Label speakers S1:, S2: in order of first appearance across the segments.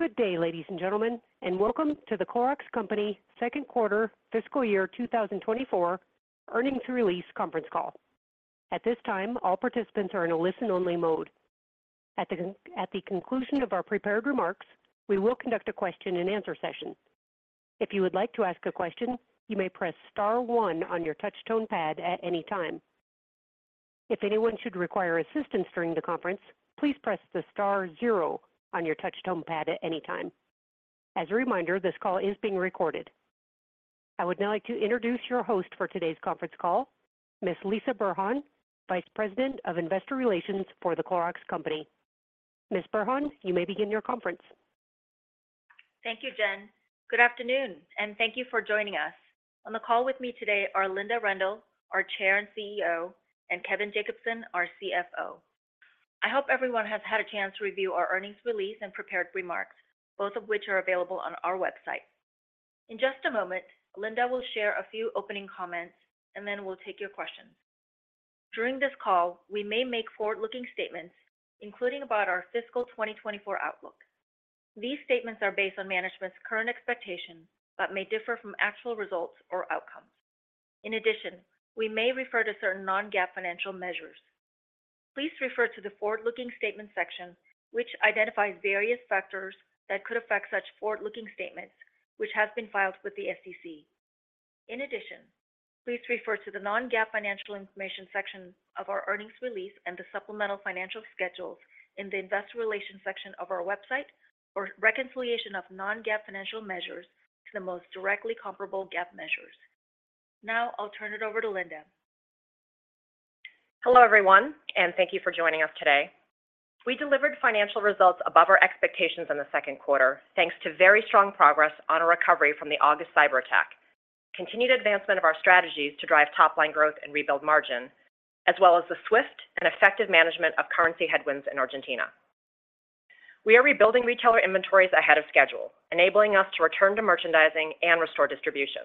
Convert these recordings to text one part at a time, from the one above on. S1: Good day, ladies and gentlemen, and welcome to The Clorox Company second quarter fiscal year 2024 earnings release conference call. At this time, all participants are in a listen-only mode. At the conclusion of our prepared remarks, we will conduct a question-and-answer session. If you would like to ask a question, you may press star one on your touchtone pad at any time. If anyone should require assistance during the conference, please press the star zero on your touchtone pad at any time. As a reminder, this call is being recorded. I would now like to introduce your host for today's conference call, Ms. Lisah Burhan, Vice President of Investor Relations for The Clorox Company. Ms. Burhan, you may begin your conference.
S2: Thank you, Jen. Good afternoon, and thank you for joining us. On the call with me today are Linda Rendle, our Chair and CEO, and Kevin Jacobsen, our CFO. I hope everyone has had a chance to review our earnings release and prepared remarks, both of which are available on our website. In just a moment, Linda will share a few opening comments, and then we'll take your questions. During this call, we may make forward-looking statements, including about our fiscal 2024 outlook. These statements are based on management's current expectations, but may differ from actual results or outcomes. In addition, we may refer to certain non-GAAP financial measures. Please refer to the Forward-Looking Statement section, which identifies various factors that could affect such forward-looking statements, which has been filed with the SEC. In addition, please refer to the Non-GAAP Financial Information section of our earnings release and the supplemental financial schedules in the Investor Relations section of our website for reconciliation of non-GAAP financial measures to the most directly comparable GAAP measures. Now, I'll turn it over to Linda.
S3: Hello, everyone, and thank you for joining us today. We delivered financial results above our expectations in the second quarter, thanks to very strong progress on a recovery from the August cyberattack, continued advancement of our strategies to drive top-line growth and rebuild margin, as well as the swift and effective management of currency headwinds in Argentina. We are rebuilding retailer inventories ahead of schedule, enabling us to return to merchandising and restore distribution.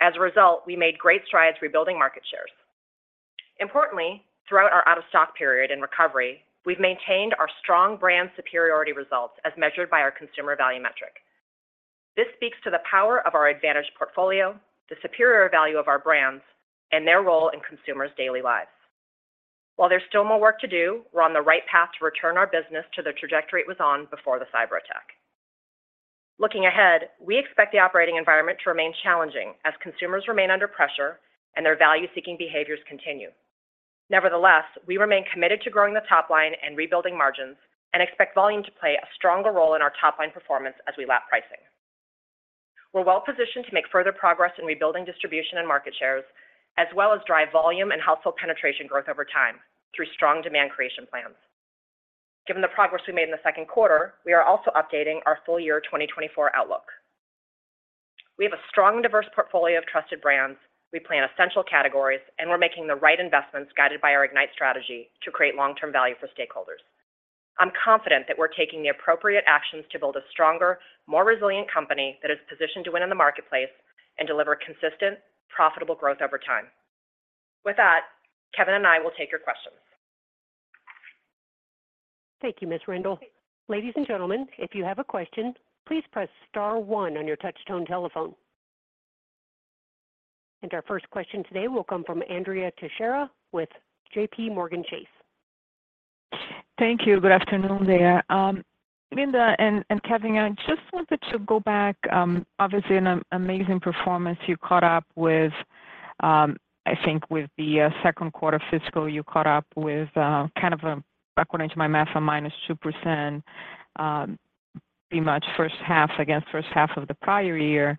S3: As a result, we made great strides rebuilding market shares. Importantly, throughout our out-of-stock period and recovery, we've maintained our strong brand superiority results as measured by our consumer value metric. This speaks to the power of our advantage portfolio, the superior value of our brands, and their role in consumers' daily lives. While there's still more work to do, we're on the right path to return our business to the trajectory it was on before the cyberattack. Looking ahead, we expect the operating environment to remain challenging as consumers remain under pressure and their value-seeking behaviors continue. Nevertheless, we remain committed to growing the top line and rebuilding margins and expect volume to play a stronger role in our top-line performance as we lap pricing. We're well-positioned to make further progress in rebuilding distribution and market shares, as well as drive volume and household penetration growth over time through strong demand creation plans. Given the progress we made in the second quarter, we are also updating our full year 2024 outlook. We have a strong, diverse portfolio of trusted brands. We play in essential categories, and we're making the right investments guided by our Ignite strategy to create long-term value for stakeholders. I'm confident that we're taking the appropriate actions to build a stronger, more resilient company that is positioned to win in the marketplace and deliver consistent, profitable growth over time. With that, Kevin and I will take your questions.
S1: Thank you, Ms. Rendle. Ladies and gentlemen, if you have a question, please press star one on your touchtone telephone. Our first question today will come from Andrea Teixeira with JPMorgan Chase.
S4: Thank you. Good afternoon there. Linda and Kevin, I just wanted to go back, obviously, an amazing performance you caught up with, I think with the second quarter fiscal, you caught up with, kind of, according to my math, a -2%, pretty much first half against first half of the prior year.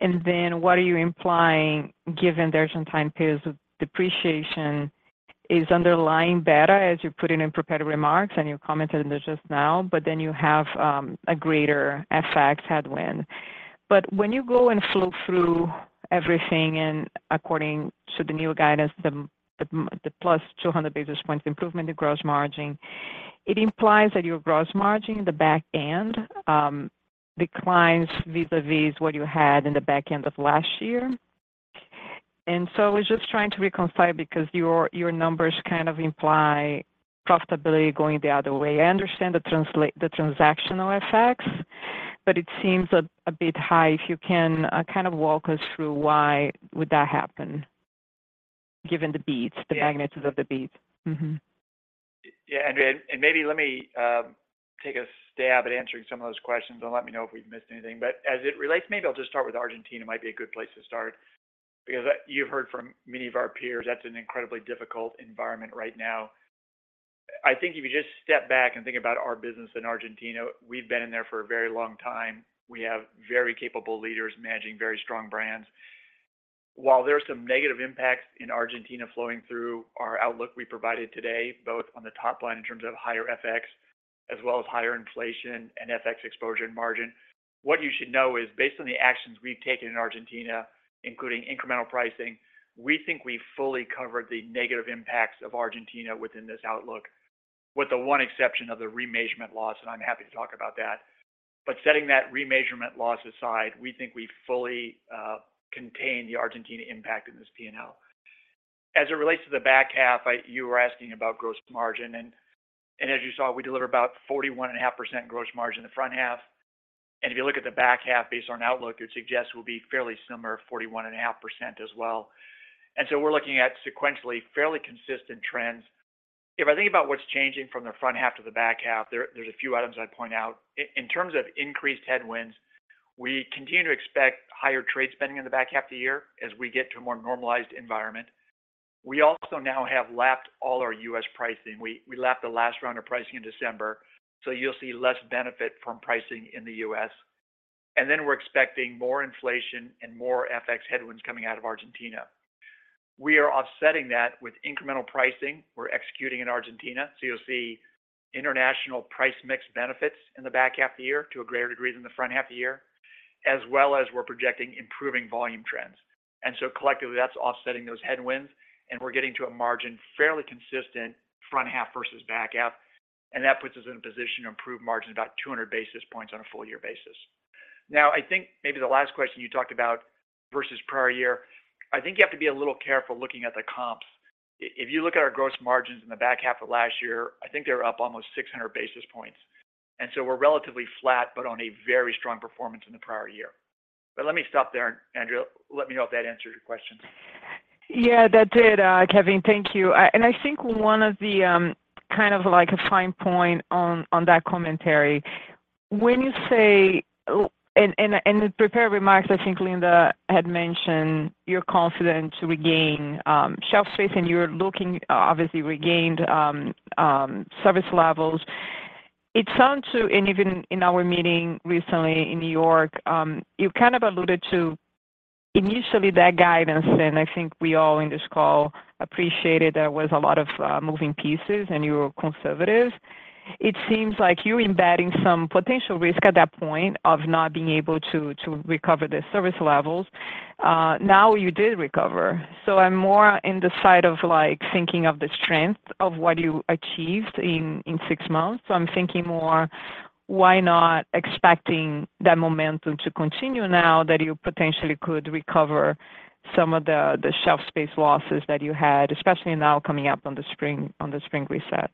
S4: And then what are you implying, given the Argentine periods of depreciation, is underlying better, as you put it in prepared remarks, and you commented on this just now, but then you have a greater FX headwind? But when you go and look through everything and according to the new guidance, the +200 basis points improvement in gross margin, it implies that your gross margin in the back end declines vis-a-vis what you had in the back end of last year. So I was just trying to reconcile because your, your numbers kind of imply profitability going the other way. I understand the translational, the transactional effects, but it seems a bit high. If you can kind of walk us through why would that happen, given the beats, the magnitudes of the beats?
S5: Yeah, Andrea, and maybe let me take a stab at answering some of those questions, and let me know if we've missed anything. But as it relates, maybe I'll just start with Argentina, might be a good place to start, because you've heard from many of our peers, that's an incredibly difficult environment right now. I think if you just step back and think about our business in Argentina, we've been in there for a very long time. We have very capable leaders managing very strong brands. While there are some negative impacts in Argentina flowing through our outlook we provided today, both on the top line in terms of higher FX, as well as higher inflation and FX exposure and margin, what you should know is, based on the actions we've taken in Argentina, including incremental pricing, we think we fully covered the negative impacts of Argentina within this outlook, with the one exception of the remeasurement loss, and I'm happy to talk about that. But setting that remeasurement loss aside, we think we fully contained the Argentina impact in this P&L.... As it relates to the back half, I, you were asking about gross margin, and, and as you saw, we delivered about 41.5% gross margin in the front half. And if you look at the back half based on outlook, it suggests we'll be fairly similar, 41.5% as well. And so we're looking at sequentially fairly consistent trends. If I think about what's changing from the front half to the back half, there's a few items I'd point out. In terms of increased headwinds, we continue to expect higher trade spending in the back half of the year as we get to a more normalized environment. We also now have lapped all our U.S. pricing. We lapped the last round of pricing in December, so you'll see less benefit from pricing in the U.S. And then we're expecting more inflation and more FX headwinds coming out of Argentina. We are offsetting that with incremental pricing we're executing in Argentina, so you'll see international price mix benefits in the back half of the year to a greater degree than the front half of the year, as well as we're projecting improving volume trends. And so collectively, that's offsetting those headwinds, and we're getting to a margin fairly consistent front half versus back half, and that puts us in a position to improve margins about 200 basis points on a full year basis. Now, I think maybe the last question you talked about versus prior year, I think you have to be a little careful looking at the comps. If you look at our gross margins in the back half of last year, I think they were up almost 600 basis points, and so we're relatively flat, but on a very strong performance in the prior year. Let me stop there, and Andrea, let me know if that answers your question.
S4: Yeah, that did, Kevin. Thank you. And I think one of the, kind of like a fine point on that commentary, when you say, and the prepared remarks, I think Linda had mentioned you're confident to regain shelf space, and you're looking, obviously, regained service levels. It sounds to, and even in our meeting recently in New York, you kind of alluded to initially that guidance, and I think we all in this call appreciated there was a lot of moving pieces and you were conservative. It seems like you're embedding some potential risk at that point of not being able to recover the service levels. Now you did recover, so I'm more in the side of, like, thinking of the strength of what you achieved in six months. So, I'm thinking, more, why not expecting that momentum to continue now that you potentially could recover some of the shelf space losses that you had, especially now coming up on the spring reset?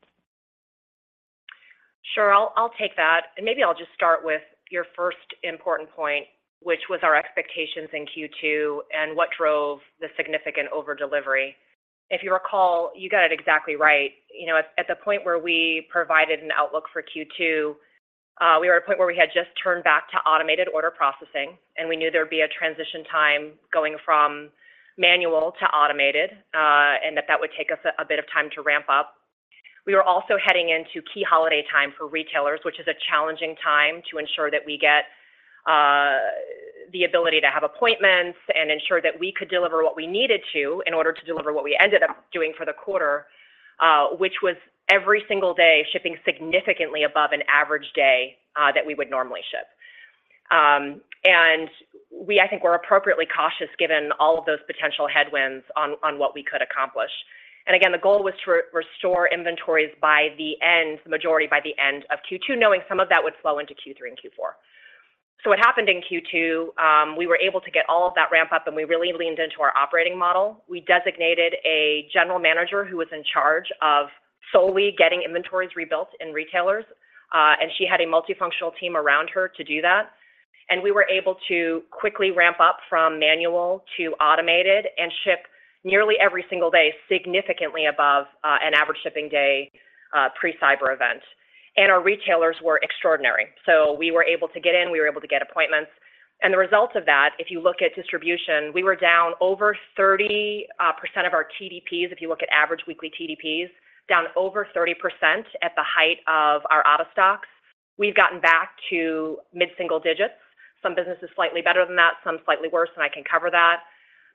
S3: Sure. I'll take that, and maybe I'll just start with your first important point, which was our expectations in Q2 and what drove the significant overdelivery. If you recall, you got it exactly right. You know, at the point where we provided an outlook for Q2, we were at a point where we had just turned back to automated order processing, and we knew there would be a transition time going from manual to automated, and that that would take us a bit of time to ramp up. We were also heading into key holiday time for retailers, which is a challenging time to ensure that we get the ability to have appointments and ensure that we could deliver what we needed to in order to deliver what we ended up doing for the quarter, which was every single day shipping significantly above an average day that we would normally ship. We, I think, were appropriately cautious, given all of those potential headwinds on what we could accomplish. Again, the goal was to restore inventories by the end, the majority by the end of Q2, knowing some of that would flow into Q3 and Q4. What happened in Q2, we were able to get all of that ramp up, and we really leaned into our operating model. We designated a general manager who was in charge of solely getting inventories rebuilt in retailers, and she had a multifunctional team around her to do that. We were able to quickly ramp up from manual to automated and ship nearly every single day, significantly above an average shipping day pre-cyber event. Our retailers were extraordinary. We were able to get in, we were able to get appointments. The results of that, if you look at distribution, we were down over 30% of our TDPs. If you look at average weekly TDPs, down over 30% at the height of our out-of-stocks. We've gotten back to mid-single digits. Some businesses slightly better than that, some slightly worse, and I can cover that.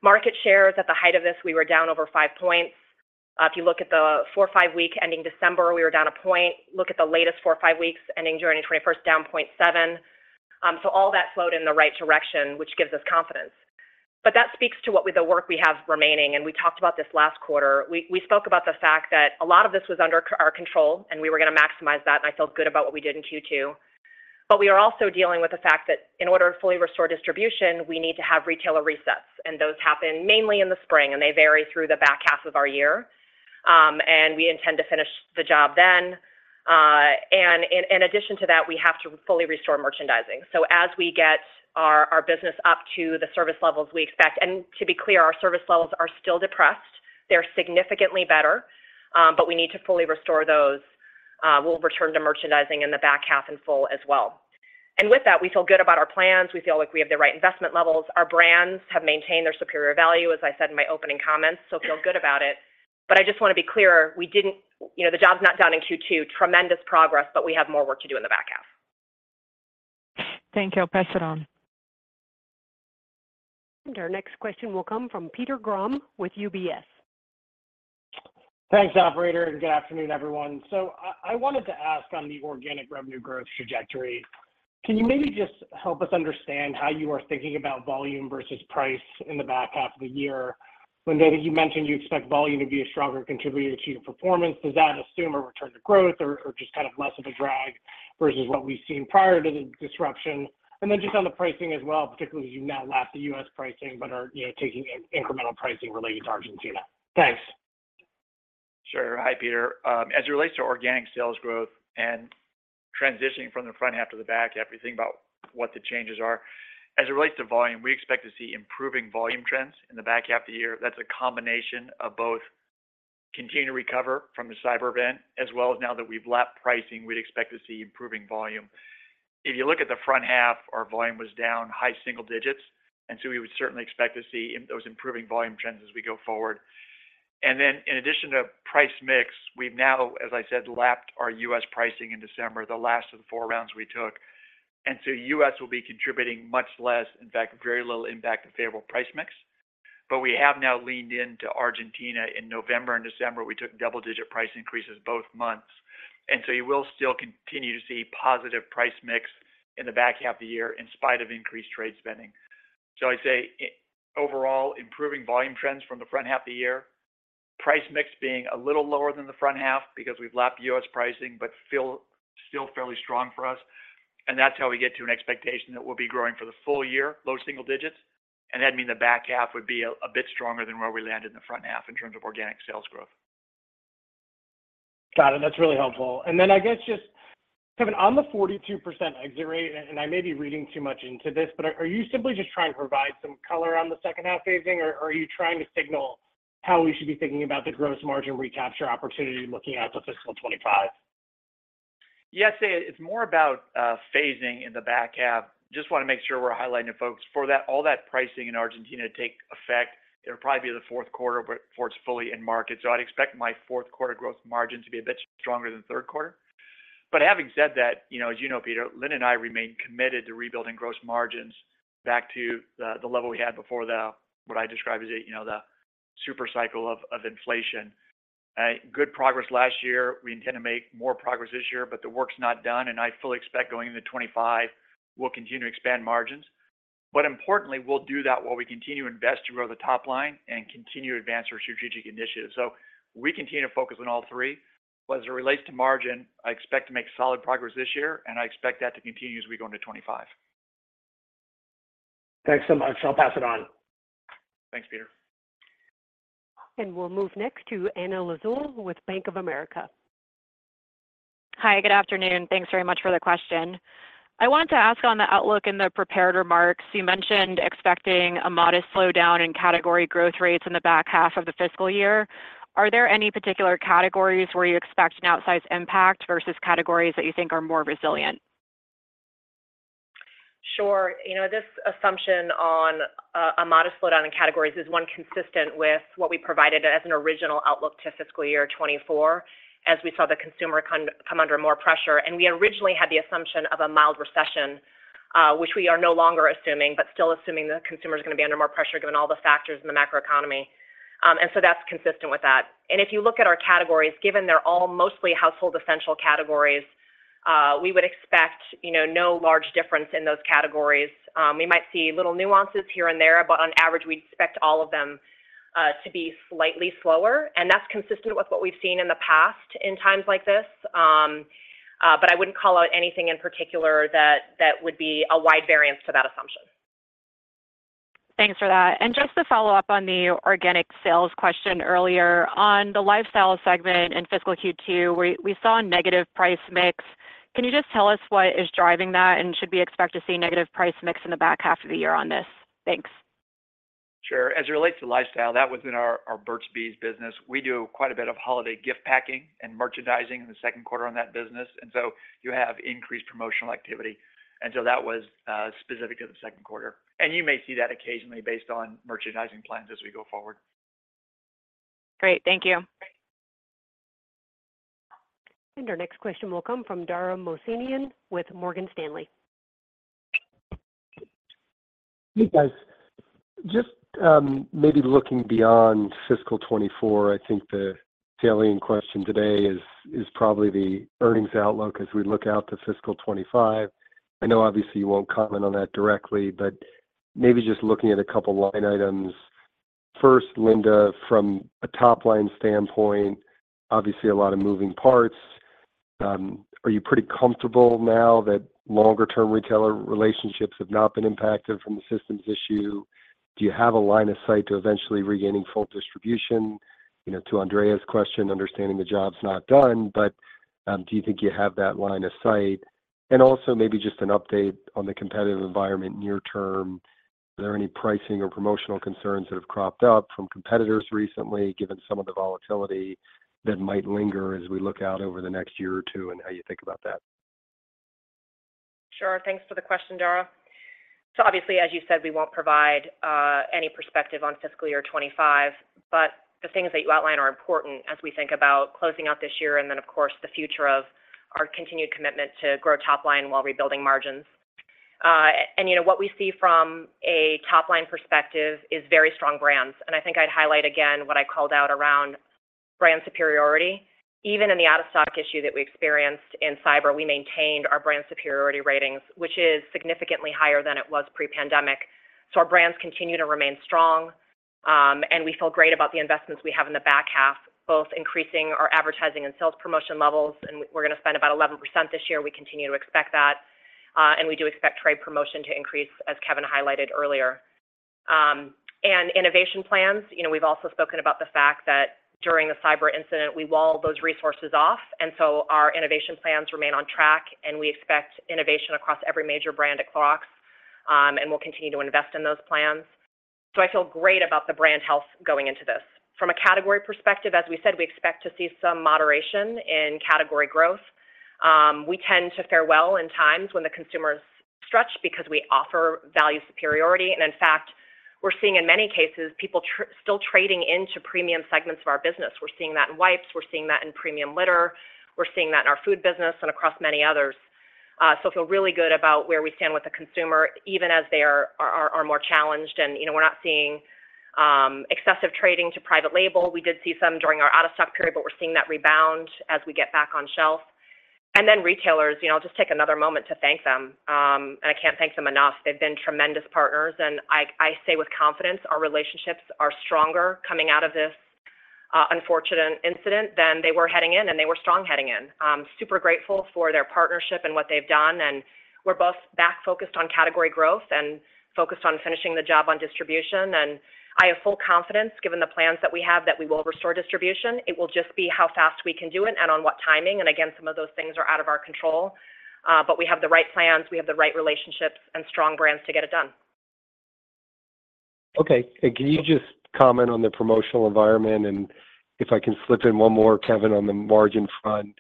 S3: Market shares at the height of this, we were down over 5 points. If you look at the four or five weeks ending December, we were down a point. Look at the latest four or five weeks ending January 21, down 0.7. So all that flowed in the right direction, which gives us confidence. But that speaks to what with the work we have remaining, and we talked about this last quarter. We spoke about the fact that a lot of this was under our control, and we were gonna maximize that, and I felt good about what we did in Q2. But we are also dealing with the fact that in order to fully restore distribution, we need to have retailer resets, and those happen mainly in the spring, and they vary through the back half of our year. And we intend to finish the job then. And in addition to that, we have to fully restore merchandising. So as we get our business up to the service levels we expect, and to be clear, our service levels are still depressed. They're significantly better, but we need to fully restore those. We'll return to merchandising in the back half in full as well. And with that, we feel good about our plans. We feel like we have the right investment levels. Our brands have maintained their superior value, as I said in my opening comments, so feel good about it. But I just want to be clear, we didn't—you know, the job's not done in Q2. Tremendous progress, but we have more work to do in the back half.
S4: Thank you. I'll pass it on.
S1: Our next question will come from Peter Grom with UBS.
S6: Thanks, operator, and good afternoon, everyone. So I wanted to ask on the organic revenue growth trajectory, can you maybe just help us understand how you are thinking about volume versus price in the back half of the year? Linda, you mentioned you expect volume to be a stronger contributor to your performance. Does that assume a return to growth or just kind of less of a drag... versus what we've seen prior to the disruption? And then just on the pricing as well, particularly as you've now lapped the U.S. pricing, but are, you know, taking an incremental pricing related to Argentina. Thanks.
S5: Sure. Hi, Peter. As it relates to organic sales growth and transitioning from the front half to the back half, we think about what the changes are. As it relates to volume, we expect to see improving volume trends in the back half of the year. That's a combination of both continued recovery from the cyber event, as well as now that we've lapped pricing, we'd expect to see improving volume. If you look at the front half, our volume was down high single digits, and so we would certainly expect to see those improving volume trends as we go forward. And then in addition to price mix, we've now, as I said, lapped our U.S. pricing in December, the last of the four rounds we took. And so U.S. will be contributing much less, in fact, very little impact of favorable price mix. We have now leaned into Argentina. In November and December, we took double-digit price increases both months, and so you will still continue to see positive price mix in the back half of the year, in spite of increased trade spending. So I'd say, overall, improving volume trends from the front half of the year, price mix being a little lower than the front half because we've lapped U.S. pricing, but still fairly strong for us. That's how we get to an expectation that we'll be growing for the full year, low single digits, and that'd mean the back half would be a bit stronger than where we landed in the front half in terms of organic sales growth.
S6: Got it. That's really helpful. And then I guess just, Kevin, on the 42% exit rate, and I may be reading too much into this, but are you simply just trying to provide some color on the second half phasing, or are you trying to signal how we should be thinking about the gross margin recapture opportunity looking out to fiscal 2025?
S5: Yes, it's more about phasing in the back half. Just wanna make sure we're highlighting to folks. For that, all that pricing in Argentina to take effect, it'll probably be the fourth quarter, but before it's fully in market. So I'd expect our fourth quarter gross margin to be a bit stronger than third quarter. But having said that, you know, Peter, Linda and I remain committed to rebuilding gross margins back to the level we had before the, what I describe as the, you know, the super cycle of inflation. Good progress last year. We intend to make more progress this year, but the work's not done, and I fully expect going into 2025, we'll continue to expand margins. But importantly, we'll do that while we continue to invest to grow the top line and continue to advance our strategic initiatives. We continue to focus on all three, but as it relates to margin, I expect to make solid progress this year, and I expect that to continue as we go into 2025.
S6: Thanks so much. I'll pass it on.
S5: Thanks, Peter.
S1: We'll move next to Anna Lizzul with Bank of America.
S7: Hi, good afternoon. Thanks very much for the question. I wanted to ask on the outlook in the prepared remarks, you mentioned expecting a modest slowdown in category growth rates in the back half of the fiscal year. Are there any particular categories where you expect an outsized impact versus categories that you think are more resilient?
S3: Sure. You know, this assumption on a modest slowdown in categories is one consistent with what we provided as an original outlook to fiscal year 2024, as we saw the consumer come under more pressure. And we originally had the assumption of a mild recession, which we are no longer assuming, but still assuming the consumer is gonna be under more pressure, given all the factors in the macroeconomy. And so that's consistent with that. And if you look at our categories, given they're all mostly household essential categories, we would expect, you know, no large difference in those categories. We might see little nuances here and there, but on average, we'd expect all of them to be slightly slower, and that's consistent with what we've seen in the past in times like this. I wouldn't call out anything in particular that would be a wide variance to that assumption.
S7: Thanks for that. And just to follow up on the organic sales question earlier, on the lifestyle segment in fiscal Q2, we saw a negative price mix. Can you just tell us what is driving that, and should we expect to see negative price mix in the back half of the year on this? Thanks.
S5: Sure. As it relates to lifestyle, that was in our, our Burt's Bees business. We do quite a bit of holiday gift packing and merchandising in the second quarter on that business, and so you have increased promotional activity. And so that was specific to the second quarter. And you may see that occasionally based on merchandising plans as we go forward.
S7: Great. Thank you.
S1: Our next question will come from Dara Mohsenian with Morgan Stanley.
S8: Hey, guys. Just maybe looking beyond fiscal 24, I think the salient question today is probably the earnings outlook as we look out to fiscal 2025. I know obviously you won't comment on that directly, but maybe just looking at a couple line items. First, Linda, from a top-line standpoint, obviously, a lot of moving parts, are you pretty comfortable now that longer-term retailer relationships have not been impacted from the systems issue? Do you have a line of sight to eventually regaining full distribution? You know, to Andrea's question, understanding the job's not done, but do you think you have that line of sight? And also maybe just an update on the competitive environment near term. Are there any pricing or promotional concerns that have cropped up from competitors recently, given some of the volatility that might linger as we look out over the next year or two, and how you think about that?
S3: Sure. Thanks for the question, Dara. So obviously, as you said, we won't provide any perspective on fiscal year 2025, but the things that you outline are important as we think about closing out this year and then, of course, the future of our continued commitment to grow top line while rebuilding margins. And you know, what we see from a top-line perspective is very strong brands, and I think I'd highlight again what I called out around brand superiority. Even in the out-of-stock issue that we experienced in cyber, we maintained our brand superiority ratings, which is significantly higher than it was pre-pandemic. So our brands continue to remain strong. And we feel great about the investments we have in the back half, both increasing our advertising and sales promotion levels, and we're gonna spend about 11% this year. We continue to expect that, and we do expect trade promotion to increase, as Kevin highlighted earlier. And innovation plans, you know, we've also spoken about the fact that during the cyber incident, we walled those resources off, and so our innovation plans remain on track, and we expect innovation across every major brand at Clorox, and we'll continue to invest in those plans. So I feel great about the brand health going into this. From a category perspective, as we said, we expect to see some moderation in category growth. We tend to fare well in times when the consumer is stretched because we offer value superiority, and in fact, we're seeing in many cases, people still trading into premium segments of our business. We're seeing that in wipes, we're seeing that in premium litter, we're seeing that in our food business and across many others. So I feel really good about where we stand with the consumer, even as they are more challenged. And, you know, we're not seeing excessive trading to private label. We did see some during our out-of-stock period, but we're seeing that rebound as we get back on shelf. And then retailers, you know, just take another moment to thank them, and I can't thank them enough. They've been tremendous partners, and I say with confidence, our relationships are stronger coming out of this unfortunate incident than they were heading in, and they were strong heading in. Super grateful for their partnership and what they've done, and we're both back focused on category growth and focused on finishing the job on distribution. I have full confidence, given the plans that we have, that we will restore distribution. It will just be how fast we can do it and on what timing. Again, some of those things are out of our control, but we have the right plans, we have the right relationships and strong brands to get it done.
S8: Okay, can you just comment on the promotional environment? If I can slip in one more, Kevin, on the margin front,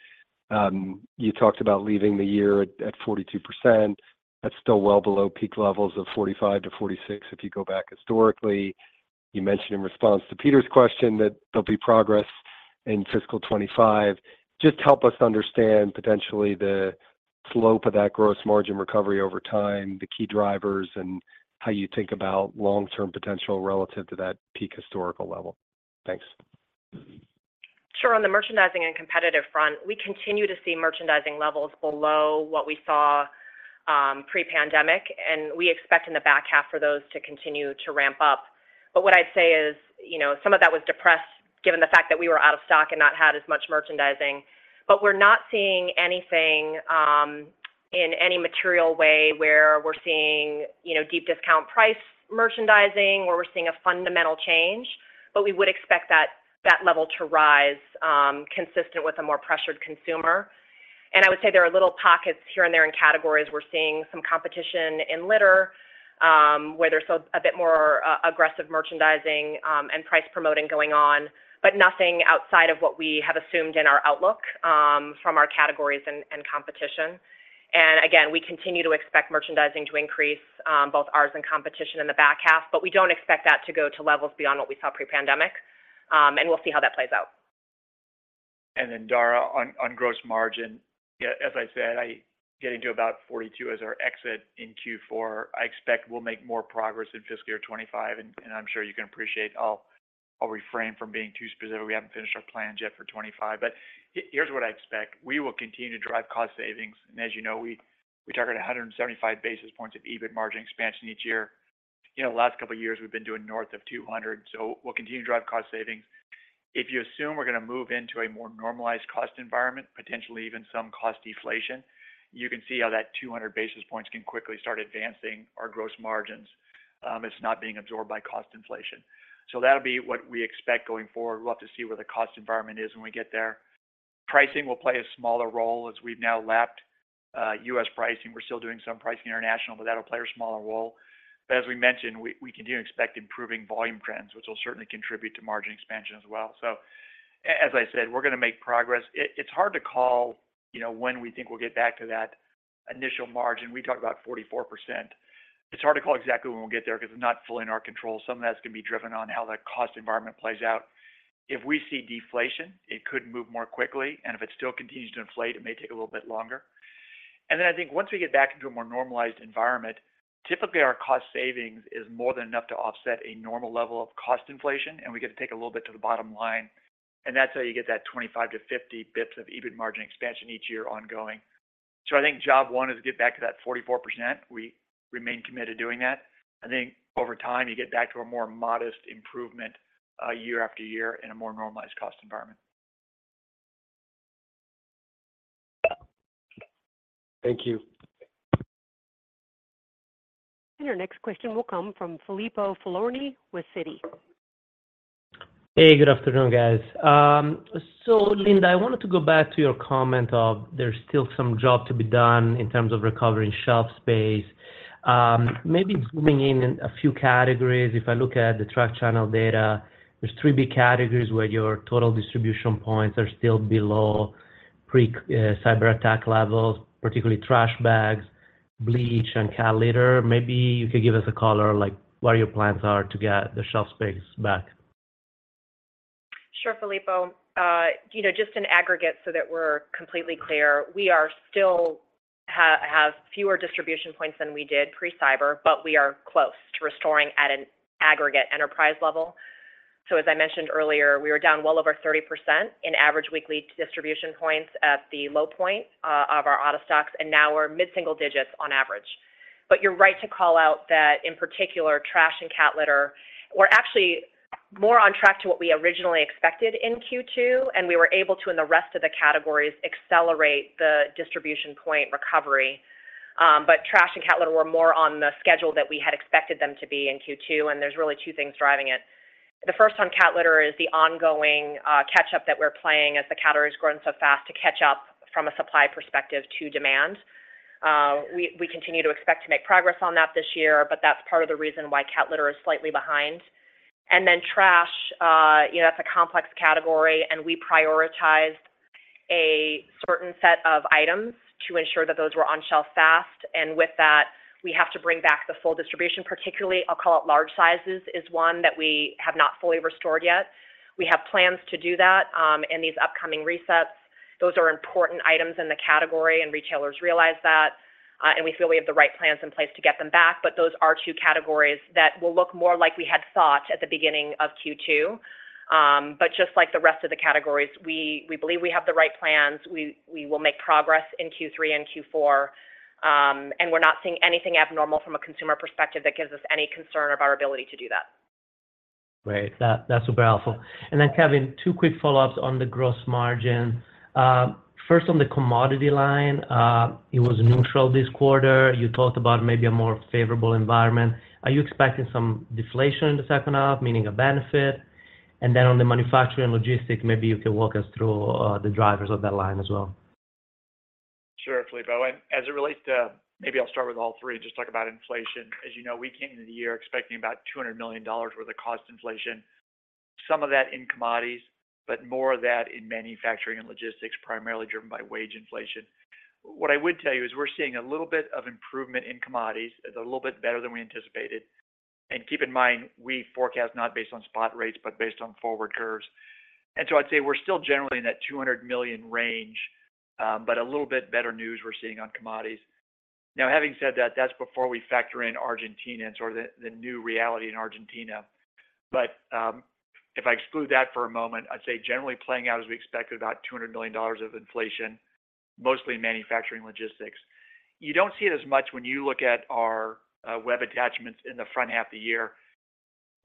S8: you talked about leaving the year at 42%. That's still well below peak levels of 45%-46%, if you go back historically. You mentioned in response to Peter's question that there'll be progress in fiscal 2025. Just help us understand potentially the slope of that gross margin recovery over time, the key drivers, and how you think about long-term potential relative to that peak historical level. Thanks.
S3: Sure. On the merchandising and competitive front, we continue to see merchandising levels below what we saw pre-pandemic, and we expect in the back half for those to continue to ramp up. But what I'd say is, you know, some of that was depressed given the fact that we were out of stock and not had as much merchandising. But we're not seeing anything in any material way where we're seeing, you know, deep discount price merchandising, where we're seeing a fundamental change, but we would expect that, that level to rise consistent with a more pressured consumer. And I would say there are little pockets here and there in categories. We're seeing some competition in litter, where there's a bit more aggressive merchandising and price promoting going on, but nothing outside of what we have assumed in our outlook from our categories and competition. Again, we continue to expect merchandising to increase both ours and competition in the back half, but we don't expect that to go to levels beyond what we saw pre-pandemic. We'll see how that plays out.
S5: And then, Dara, on gross margin, yeah, as I said, I'm getting to about 42 as our exit in Q4. I expect we'll make more progress in fiscal year 2025, and I'm sure you can appreciate I'll refrain from being too specific. We haven't finished our plans yet for 2025, but here's what I expect: we will continue to drive cost savings, and as you know, we target 175 basis points of EBIT margin expansion each year. You know, the last couple of years, we've been doing north of 200, so we'll continue to drive cost savings. If you assume we're gonna move into a more normalized cost environment, potentially even some cost deflation, you can see how that 200 basis points can quickly start advancing our gross margins. It's not being absorbed by cost inflation. So that'll be what we expect going forward. We'll have to see where the cost environment is when we get there. Pricing will play a smaller role as we've now lapped US pricing. We're still doing some pricing international, but that'll play a smaller role. But as we mentioned, we continue to expect improving volume trends, which will certainly contribute to margin expansion as well. So as I said, we're gonna make progress. It's hard to call, you know, when we think we'll get back to that initial margin. We talked about 44%. It's hard to call exactly when we'll get there because it's not fully in our control. Some of that's gonna be driven on how the cost environment plays out. If we see deflation, it could move more quickly, and if it still continues to inflate, it may take a little bit longer. Then I think once we get back into a more normalized environment, typically our cost savings is more than enough to offset a normal level of cost inflation, and we get to take a little bit to the bottom line, and that's how you get that 25-50 bps of EBIT margin expansion each year ongoing. So I think job one is to get back to that 44%. We remain committed to doing that. I think over time, you get back to a more modest improvement, year-after-year in a more normalized cost environment.
S8: Thank you.
S1: Your next question will come from Filippo Falorni with Citi.
S9: Hey, good afternoon, guys. So Linda, I wanted to go back to your comment of there's still some job to be done in terms of recovering shelf space. Maybe zooming in on a few categories. If I look at the track channel data, there's three big categories where your total distribution points are still below pre-cyberattack levels, particularly trash bags, bleach, and cat litter. Maybe you could give us a color, like, what your plans are to get the shelf space back?
S3: Sure, Filippo. You know, just in aggregate, so that we're completely clear, we are still have fewer distribution points than we did pre-cyber, but we are close to restoring at an aggregate enterprise level. As I mentioned earlier, we were down well over 30% in average weekly distribution points at the low point of our out-of-stocks, and now we're mid-single digits on average. But you're right to call out that in particular, trash and cat litter were actually more on track to what we originally expected in Q2, and we were able to, in the rest of the categories, accelerate the distribution point recovery. But trash and cat litter were more on the schedule that we had expected them to be in Q2, and there's really two things driving it. The first on cat litter is the ongoing catch-up that we're playing as the category has grown so fast to catch up from a supply perspective to demand. We continue to expect to make progress on that this year, but that's part of the reason why cat litter is slightly behind. And then trash, you know, that's a complex category, and we prioritized a certain set of items to ensure that those were on shelf fast. And with that, we have to bring back the full distribution, particularly, I'll call it large sizes, is one that we have not fully restored yet. We have plans to do that in these upcoming resets. Those are important items in the category, and retailers realize that, and we feel we have the right plans in place to get them back. But those are two categories that will look more like we had thought at the beginning of Q2. But just like the rest of the categories, we believe we have the right plans. We will make progress in Q3 and Q4, and we're not seeing anything abnormal from a consumer perspective that gives us any concern of our ability to do that.
S9: Great. That, that's super helpful. And then, Kevin, two quick follow-ups on the gross margin. First, on the commodity line, it was neutral this quarter. You talked about maybe a more favorable environment. Are you expecting some deflation in the second half, meaning a benefit? And then on the manufacturing and logistics, maybe you can walk us through the drivers of that line as well.
S5: Sure, Filippo. And as it relates to... Maybe I'll start with all three and just talk about inflation. As you know, we came into the year expecting about $200 million worth of cost inflation, some of that in commodities, but more of that in manufacturing and logistics, primarily driven by wage inflation. What I would tell you is we're seeing a little bit of improvement in commodities, a little bit better than we anticipated. And keep in mind, we forecast not based on spot rates, but based on forward curves. And so I'd say we're still generally in that $200 million range, but a little bit better news we're seeing on commodities. Now, having said that, that's before we factor in Argentina, and sort of the new reality in Argentina. But, if I exclude that for a moment, I'd say generally playing out as we expected, about $200 million of inflation, mostly in manufacturing and logistics. You don't see it as much when you look at our web attachments in the front half of the year.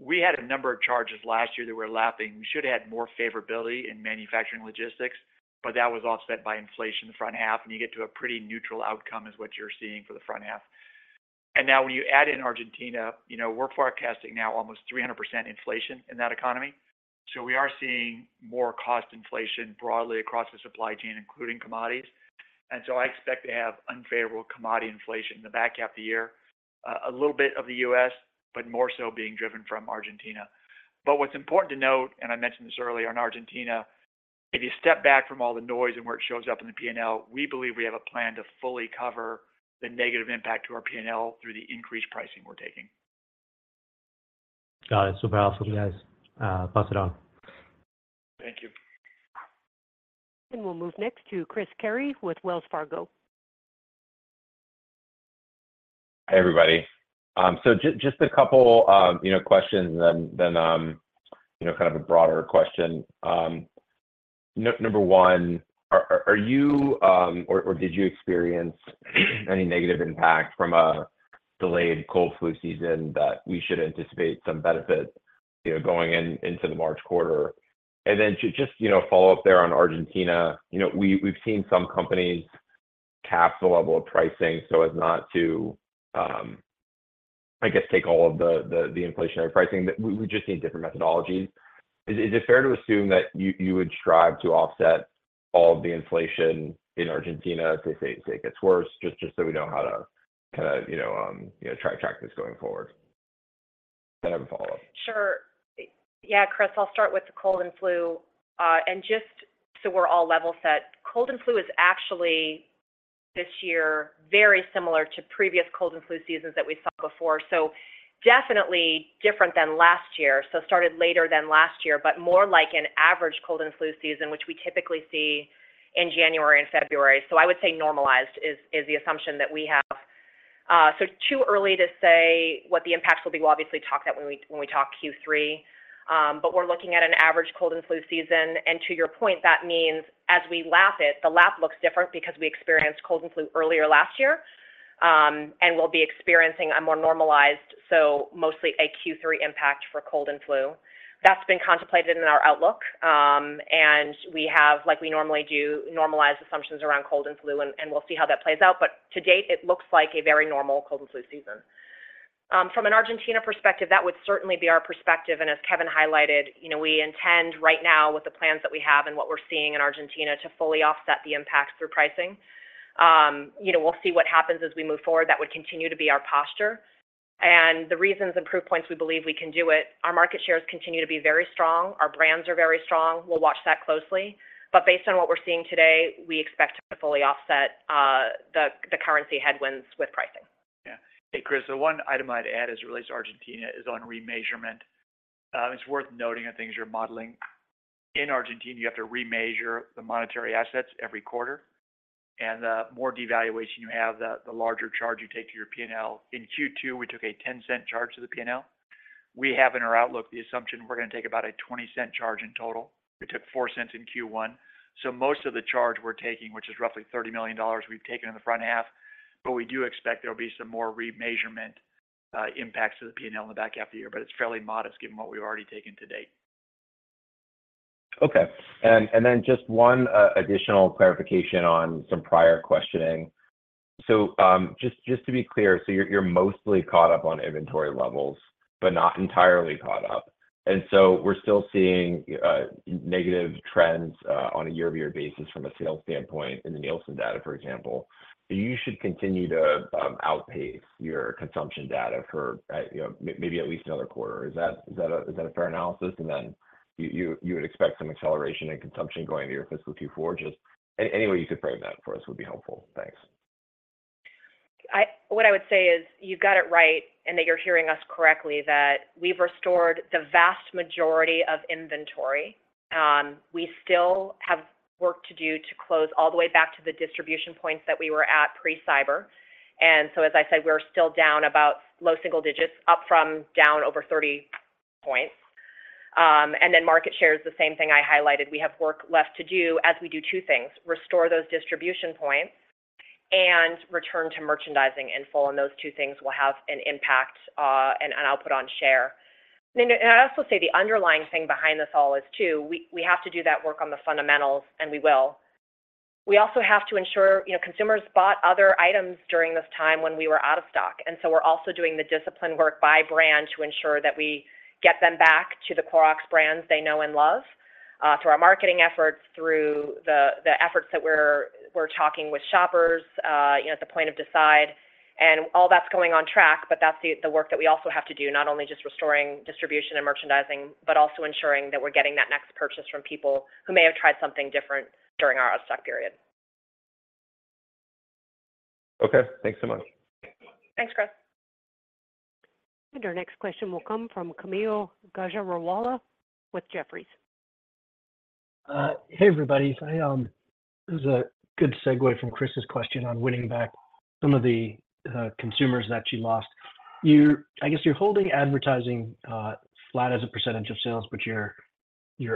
S5: We had a number of charges last year that we're lapping. We should had more favorability in manufacturing and logistics, but that was offset by inflation in the front half, and you get to a pretty neutral outcome is what you're seeing for the front half. And now, when you add in Argentina, you know, we're forecasting now almost 300% inflation in that economy. So we are seeing more cost inflation broadly across the supply chain, including commodities. And so I expect to have unfavorable commodity inflation in the back half of the year, a little bit of the U.S., but more so being driven from Argentina. But what's important to note, and I mentioned this earlier, in Argentina, if you step back from all the noise and where it shows up in the P&L, we believe we have a plan to fully cover the negative impact to our P&L through the increased pricing we're taking.
S9: Got it. Super helpful, guys. Pass it on.
S5: Thank you.
S1: We'll move next to Chris Carey with Wells Fargo.
S10: Hi, everybody. So just a couple, you know, questions, and then, you know, kind of a broader question. Number one, are you, or did you experience any negative impact from a delayed cold/flu season that we should anticipate some benefit, you know, going into the March quarter? And then just, you know, follow up there on Argentina. You know, we've seen some companies cap the level of pricing so as not to, I guess, take all of the inflationary pricing, but we just need different methodologies. Is it fair to assume that you would strive to offset all of the inflation in Argentina if it gets worse, just so we know how to kinda, you know, try to track this going forward? I have a follow-up.
S3: Sure. Yeah, Chris, I'll start with the cold and flu. And just so we're all level set, cold and flu is actually, this year, very similar to previous cold and flu seasons that we've saw before. So definitely different than last year, so started later than last year, but more like an average cold and flu season, which we typically see in January and February. So I would say normalized is, is the assumption that we have. So too early to say what the impacts will be. We'll obviously talk that when we, when we talk Q3, but we're looking at an average cold and flu season. And to your point, that means as we lap it, the lap looks different because we experienced cold and flu earlier last year, and we'll be experiencing a more normalized, so mostly a Q3 impact for cold and flu. That's been contemplated in our outlook, and we have, like we normally do, normalized assumptions around cold and flu, and we'll see how that plays out. But to date, it looks like a very normal cold and flu season. From an Argentina perspective, that would certainly be our perspective, and as Kevin highlighted, you know, we intend right now, with the plans that we have and what we're seeing in Argentina, to fully offset the impact through pricing. You know, we'll see what happens as we move forward. That would continue to be our posture. And the reasons and proof points we believe we can do it, our market shares continue to be very strong. Our brands are very strong. We'll watch that closely, but based on what we're seeing today, we expect to fully offset the currency headwinds with pricing.
S5: Yeah. Hey, Chris, the one item I'd add as it relates to Argentina is on remeasurement. It's worth noting the things you're modeling. In Argentina, you have to remeasure the monetary assets every quarter... and the more devaluation you have, the larger charge you take to your P&L. In Q2, we took a $0.10 charge to the P&L. We have in our outlook the assumption we're gonna take about a $0.20 charge in total. We took $0.04 in Q1, so most of the charge we're taking, which is roughly $30 million, we've taken in the front half, but we do expect there'll be some more remeasurement impacts to the P&L in the back half of the year, but it's fairly modest given what we've already taken to date.
S10: Okay. And then just one additional clarification on some prior questioning. So just to be clear, you're mostly caught up on inventory levels, but not entirely caught up, and so we're still seeing negative trends on a year-over-year basis from a sales standpoint in the Nielsen data, for example. You should continue to outpace your consumption data for, you know, maybe at least another quarter. Is that a fair analysis? Then you would expect some acceleration in consumption going into your fiscal Q4? Just any way you could frame that for us would be helpful. Thanks.
S3: What I would say is, you've got it right, and that you're hearing us correctly, that we've restored the vast majority of inventory. We still have work to do to close all the way back to the distribution points that we were at pre-cyber. And so, as I said, we're still down about low single digits, up from down over 30 points. And then market share is the same thing I highlighted. We have work left to do as we do two things: restore those distribution points and return to merchandising in full, and those two things will have an impact, and an output on share. And, and I'd also say the underlying thing behind this all is, too, we, we have to do that work on the fundamentals, and we will. We also have to ensure, you know, consumers bought other items during this time when we were out of stock, and so we're also doing the discipline work by brand to ensure that we get them back to the Clorox brands they know and love, through our marketing efforts, through the efforts that we're talking with shoppers, you know, at the point of decide. And all that's going on track, but that's the work that we also have to do, not only just restoring distribution and merchandising, but also ensuring that we're getting that next purchase from people who may have tried something different during our out-of-stock period.
S10: Okay. Thanks so much.
S3: Thanks, Chris.
S1: Our next question will come from Kaumil Gajrawala with Jefferies.
S11: Hey, everybody. This is a good segue from Chris's question on winning back some of the consumers that you lost. I guess you're holding advertising flat as a percentage of sales, but your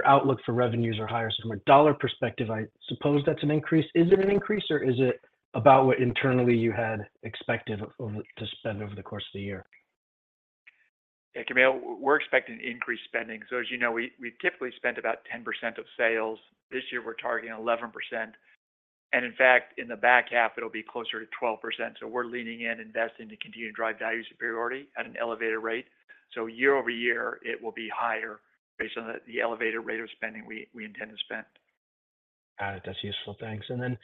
S11: outlook for revenues are higher. So from a dollar perspective, I suppose that's an increase. Is it an increase, or is it about what internally you had expected to spend over the course of the year?
S5: Yeah, Kaumil, we're expecting increased spending. So as you know, we, we typically spend about 10% of sales. This year, we're targeting 11%, and in fact, in the back half, it'll be closer to 12%. So we're leaning in, investing to continue to drive value superiority at an elevated rate. So year-over-year, it will be higher based on the, the elevated rate of spending we, we intend to spend.
S11: Got it. That's useful. Thanks. And then,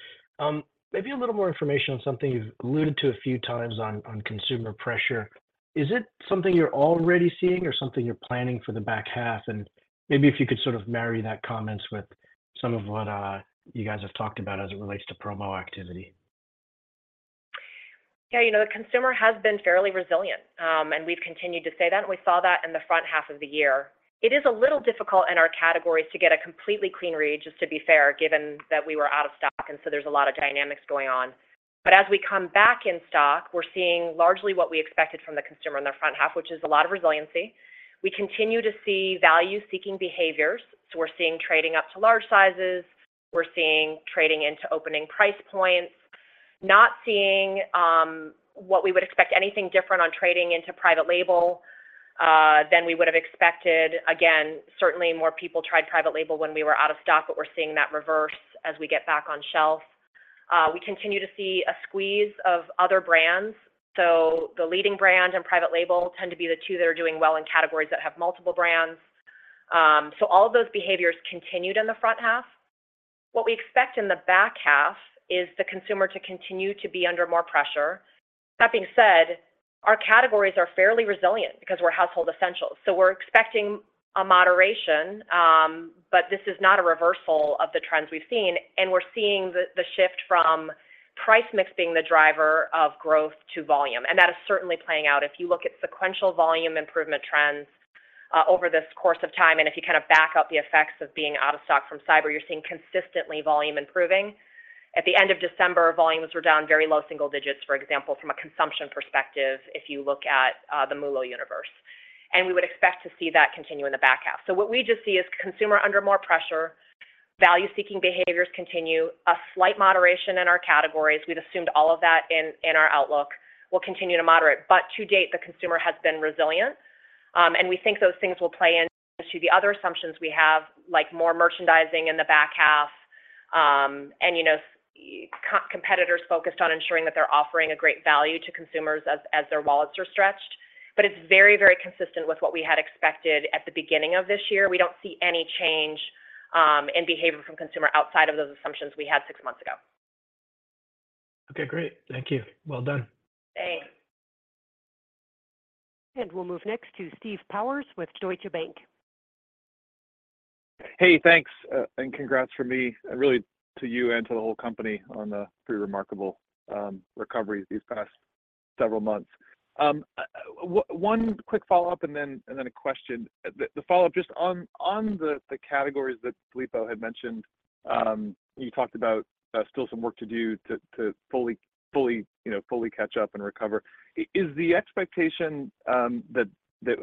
S11: maybe a little more information on something you've alluded to a few times on, on consumer pressure. Is it something you're already seeing or something you're planning for the back half? And maybe if you could sort of marry that comments with some of what, you guys have talked about as it relates to promo activity.
S3: Yeah, you know, the consumer has been fairly resilient, and we've continued to say that, and we saw that in the front half of the year. It is a little difficult in our categories to get a completely clean read, just to be fair, given that we were out of stock, and so there's a lot of dynamics going on. But as we come back in stock, we're seeing largely what we expected from the consumer in the front half, which is a lot of resiliency. We continue to see value-seeking behaviors, so we're seeing trading up to large sizes. We're seeing trading into opening price points. Not seeing what we would expect, anything different on trading into private label than we would have expected. Again, certainly more people tried private label when we were out of stock, but we're seeing that reverse as we get back on shelf. We continue to see a squeeze of other brands, so the leading brand and private label tend to be the two that are doing well in categories that have multiple brands. All of those behaviors continued in the front half. What we expect in the back half is the consumer to continue to be under more pressure. That being said, our categories are fairly resilient because we're household essentials, so we're expecting a moderation, but this is not a reversal of the trends we've seen. We're seeing the, the shift from price mix being the driver of growth to volume, and that is certainly playing out. If you look at sequential volume improvement trends over this course of time, and if you kind of back out the effects of being out of stock from cyber, you're seeing consistently volume improving. At the end of December, volumes were down very low single digits, for example, from a consumption perspective, if you look at the MULO universe, and we would expect to see that continue in the back half. So what we just see is consumer under more pressure, value-seeking behaviors continue, a slight moderation in our categories. We'd assumed all of that in our outlook will continue to moderate, but to date, the consumer has been resilient, and we think those things will play in to the other assumptions we have, like more merchandising in the back half, and, you know, competitors focused on ensuring that they're offering a great value to consumers as their wallets are stretched. But it's very, very consistent with what we had expected at the beginning of this year. We don't see any change in behavior from consumer outside of those assumptions we had six months ago.
S11: Okay, great. Thank you. Well done.
S3: Thanks.
S1: We'll move next to Steve Powers with Deutsche Bank.
S12: Hey, thanks, and congrats from me, and really to you and to the whole company on the pretty remarkable recovery these past several months. One quick follow-up and then a question. The follow-up, just on the categories that Filippo had mentioned, you talked about still some work to do to fully you know fully catch up and recover. Is the expectation that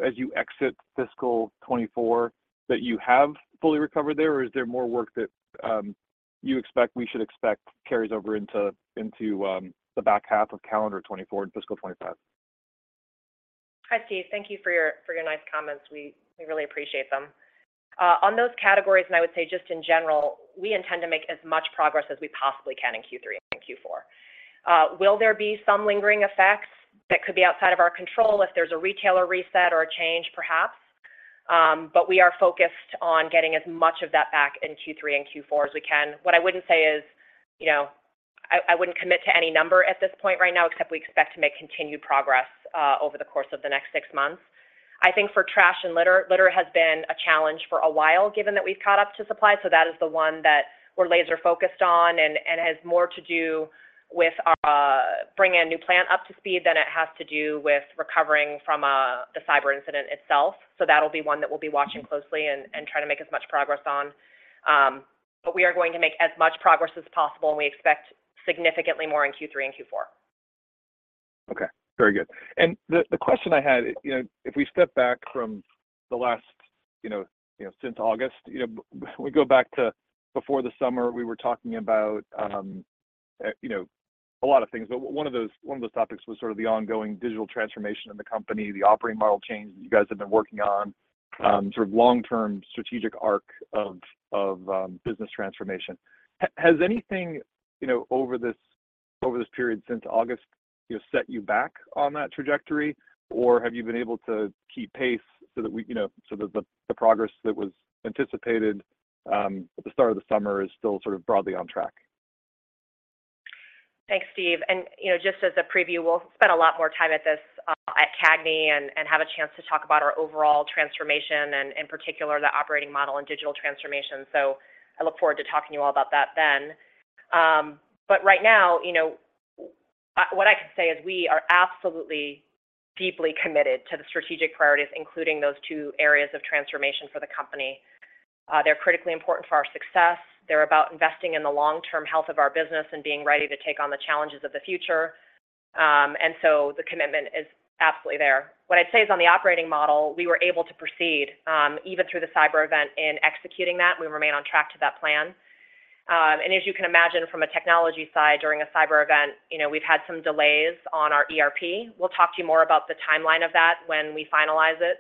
S12: as you exit fiscal 2024, that you have fully recovered there? Or is there more work that you expect we should expect carries over into the back half of calendar 2024 and fiscal 2025?
S3: Hi, Steve. Thank you for your, for your nice comments. We, we really appreciate them. On those categories, and I would say just in general, we intend to make as much progress as we possibly can in Q3 and Q4. Will there be some lingering effects that could be outside of our control if there's a retailer reset or a change? Perhaps. But we are focused on getting as much of that back in Q3 and Q4 as we can. What I wouldn't say is, you know, I, I wouldn't commit to any number at this point right now, except we expect to make continued progress over the course of the next six months. I think for trash and litter, litter has been a challenge for a while, given that we've caught up to supply, so that is the one that we're laser focused on, and has more to do with bringing a new plant up to speed than it has to do with recovering from the cyber incident itself. So that'll be one that we'll be watching closely and trying to make as much progress on. But we are going to make as much progress as possible, and we expect significantly more in Q3 and Q4.
S12: Okay, very good. And the question I had, you know, if we step back from the last, you know, you know, since August, you know, we go back to before the summer, we were talking about, you know, a lot of things, but one of those—one of those topics was sort of the ongoing digital transformation in the company, the operating model changes that you guys have been working on, sort of long-term strategic arc of, of, business transformation. Has anything, you know, over this, over this period since August, you know, set you back on that trajectory? Or have you been able to keep pace so that we, you know, so that the progress that was anticipated, at the start of the summer is still sort of broadly on track?
S3: Thanks, Steve. And, you know, just as a preview, we'll spend a lot more time at this at CAGNY and have a chance to talk about our overall transformation and, in particular, the operating model and digital transformation. So I look forward to talking to you all about that then. But right now, you know, what I can say is we are absolutely deeply committed to the strategic priorities, including those two areas of transformation for the company. They're critically important for our success. They're about investing in the long-term health of our business and being ready to take on the challenges of the future. And so the commitment is absolutely there. What I'd say is, on the operating model, we were able to proceed even through the cyber event in executing that. We remain on track to that plan. As you can imagine, from a technology side, during a cyber event, you know, we've had some delays on our ERP. We'll talk to you more about the timeline of that when we finalize it,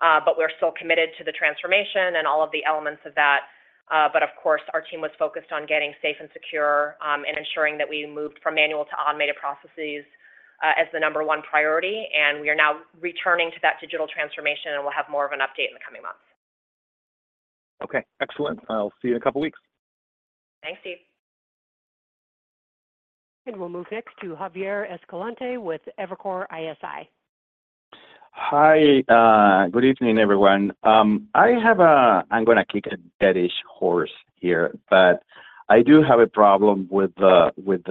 S3: but we're still committed to the transformation and all of the elements of that. But of course, our team was focused on getting safe and secure, and ensuring that we moved from manual to automated processes, as the number one priority, and we are now returning to that digital transformation, and we'll have more of an update in the coming months.
S12: Okay, excellent. I'll see you in a couple of weeks.
S3: Thanks, Steve.
S1: We'll move next to Javier Escalante with Evercore ISI.
S13: Hi, good evening, everyone. I have a... I'm gonna kick a dead horse here, but I do have a problem with the, with,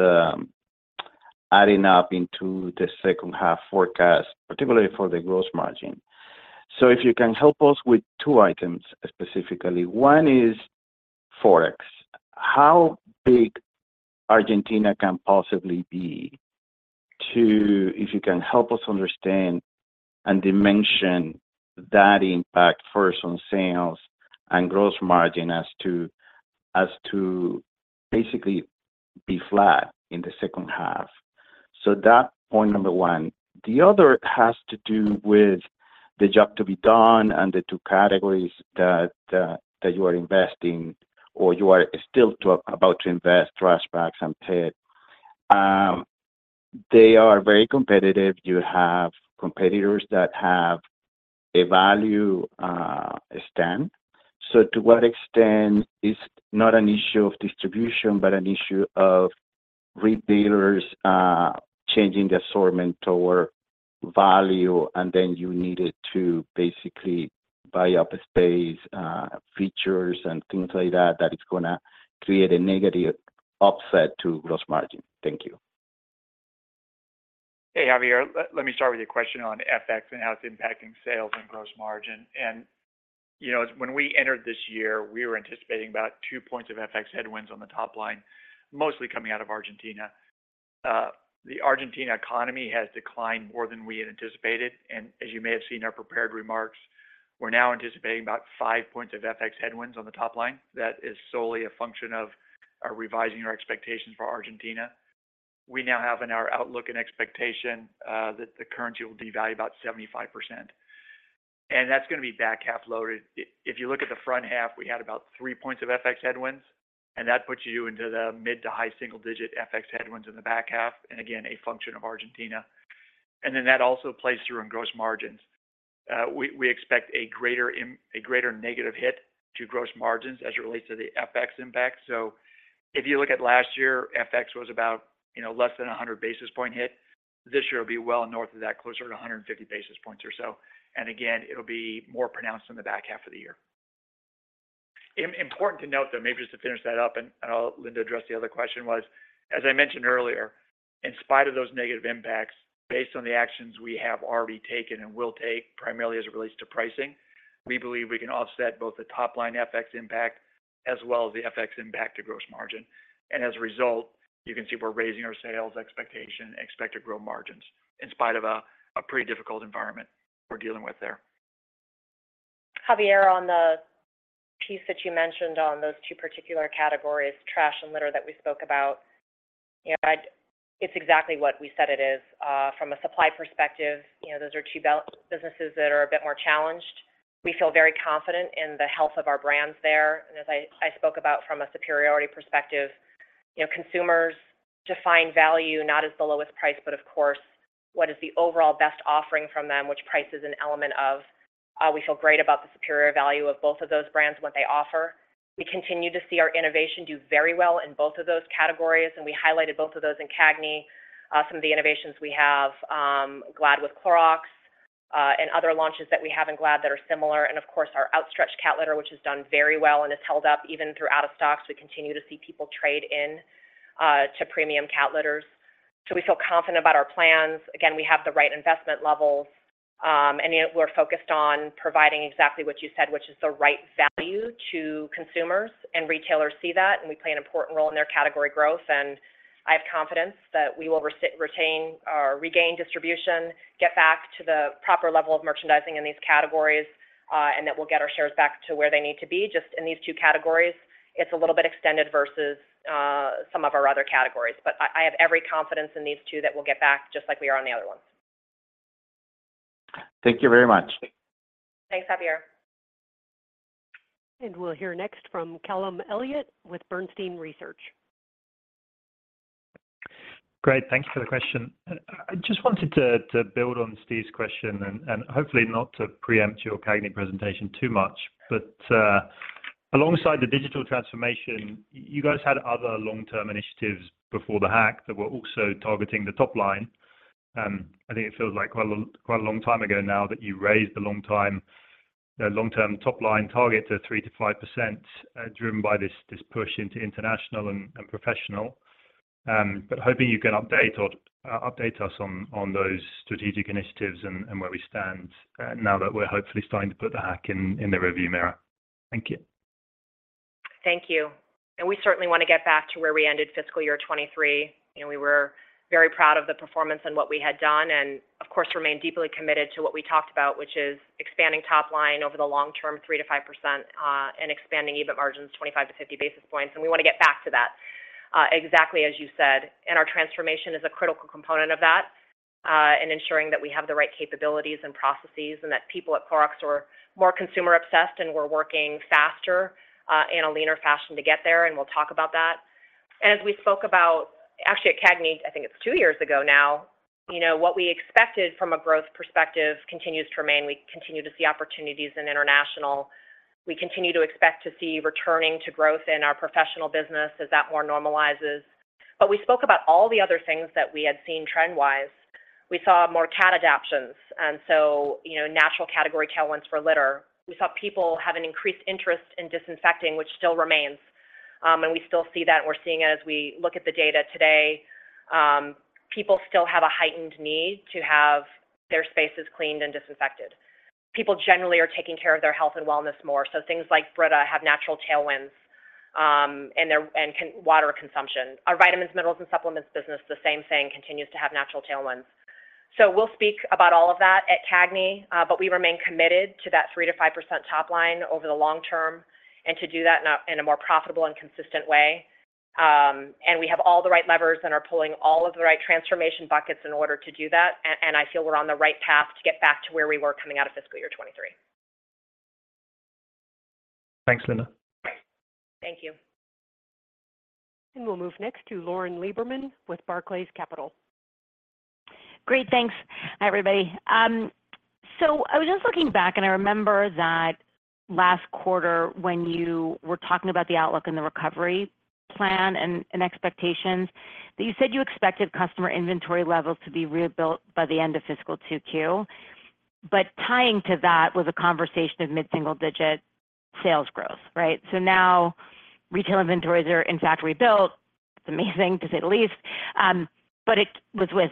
S13: adding up into the second half forecast, particularly for the gross margin. So if you can help us with two items, specifically. One is Forex. How big Argentina can possibly be to—if you can help us understand and dimension that impact first on sales and gross margin as to, as to basically be flat in the second half? So that, point number one. The other has to do with the job to be done and the two categories that, that you are investing or you are still talk—about to invest, trash bags and pet. They are very competitive. You have competitors that have a value stand. So to what extent is not an issue of distribution, but an issue of retailers, changing the assortment or value, and then you needed to basically buy up space, features and things like that, that is gonna create a negative offset to gross margin? Thank you.
S5: Hey, Javier, let me start with your question on FX and how it's impacting sales and gross margin. And, you know, when we entered this year, we were anticipating about 2 points of FX headwinds on the top line, mostly coming out of Argentina. The Argentina economy has declined more than we had anticipated, and as you may have seen in our prepared remarks, we're now anticipating about 5 points of FX headwinds on the top line. That is solely a function of revising our expectations for Argentina. We now have in our outlook and expectation that the currency will devalue about 75%, and that's gonna be back half loaded. If you look at the front half, we had about 3 points of FX headwinds, and that puts you into the mid- to high single-digit FX headwinds in the back half, and again, a function of Argentina. And then that also plays through in gross margins. We expect a greater negative hit to gross margins as it relates to the FX impact. So if you look at last year, FX was about, you know, less than 100 basis point hit. This year, it'll be well north of that, closer to 150 basis points or so. And again, it'll be more pronounced in the back half of the year. Important to note, though, maybe just to finish that up, and I'll let Linda address the other question. As I mentioned earlier, in spite of those negative impacts, based on the actions we have already taken and will take, primarily as it relates to pricing, we believe we can offset both the top-line FX impact as well as the FX impact to gross margin. And as a result, you can see we're raising our sales expectation and expect to grow margins in spite of a pretty difficult environment we're dealing with there.
S3: Javier, on the piece that you mentioned on those two particular categories, trash and litter, that we spoke about, you know, it's exactly what we said it is. From a supply perspective, you know, those are two businesses that are a bit more challenged. We feel very confident in the health of our brands there. And as I spoke about from a superiority perspective, you know, consumers define value not as the lowest price, but of course, what is the overall best offering from them, which price is an element of. We feel great about the superior value of both of those brands and what they offer. We continue to see our innovation do very well in both of those categories, and we highlighted both of those in CAGNY. Some of the innovations we have, Glad with Clorox, and other launches that we have in Glad that are similar, and of course, our Outstretch cat litter, which has done very well and has held up even through out-of-stocks. We continue to see people trade in to premium cat litters. So we feel confident about our plans. Again, we have the right investment levels, and yet we're focused on providing exactly what you said, which is the right value to consumers, and retailers see that, and we play an important role in their category growth. And I have confidence that we will retain or regain distribution, get back to the proper level of merchandising in these categories, and that we'll get our shares back to where they need to be. Just in these two categories, it's a little bit extended versus some of our other categories. But I have every confidence in these two that we'll get back just like we are on the other ones.
S13: Thank you very much.
S3: Thanks, Javier.
S1: We'll hear next from Callum Elliott with Bernstein Research.
S14: Great. Thank you for the question. I just wanted to build on Steve's question and hopefully not to preempt your CAGNY presentation too much, but alongside the digital transformation, you guys had other long-term initiatives before the hack that were also targeting the top line. I think it feels like quite a long time ago now that you raised the long-term top line target to 3%-5%, driven by this push into international and professional. But hoping you can update or update us on those strategic initiatives and where we stand now that we're hopefully starting to put the hack in the rearview mirror. Thank you.
S3: Thank you. We certainly want to get back to where we ended fiscal year 2023. You know, we were very proud of the performance and what we had done, and of course, remain deeply committed to what we talked about, which is expanding top line over the long term, 3%-5%, and expanding EBIT margins 25-50 basis points. We want to get back to that, exactly as you said. Our transformation is a critical component of that, in ensuring that we have the right capabilities and processes, and that people at Clorox are more consumer obsessed, and we're working faster, in a leaner fashion to get there, and we'll talk about that. As we spoke about, actually, at CAGNY, I think it's two years ago now, you know, what we expected from a growth perspective continues to remain. We continue to see opportunities in international. We continue to expect to see returning to growth in our professional business as that more normalizes. But we spoke about all the other things that we had seen trend-wise. We saw more cat adoptions, and so, you know, natural category tailwinds for litter. We saw people have an increased interest in disinfecting, which still remains, and we still see that, and we're seeing it as we look at the data today. People still have a heightened need to have their spaces cleaned and disinfected. People generally are taking care of their health and wellness more, so things like Brita have natural tailwinds, and water consumption. Our vitamins, minerals, and supplements business, the same thing, continues to have natural tailwinds. So we'll speak about all of that at CAGNY, but we remain committed to that 3%-5% top line over the long term, and to do that in a more profitable and consistent way. And we have all the right levers and are pulling all of the right transformation buckets in order to do that, and I feel we're on the right path to get back to where we were coming out of fiscal year 2023.
S14: Thanks, Linda.
S3: Thank you.
S1: We'll move next to Lauren Lieberman with Barclays Capital.
S15: Great. Thanks. Hi, everybody. So I was just looking back, and I remember that last quarter when you were talking about the outlook and the recovery plan and, and expectations, that you said you expected customer inventory levels to be rebuilt by the end of fiscal 2Q. But tying to that was a conversation of mid-single-digit sales growth, right? So now retail inventories are in fact rebuilt. It's amazing, to say the least, but it was with,